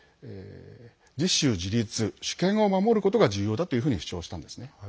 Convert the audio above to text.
自主自立、主権を守ることが重要だというふうに主張したんですね。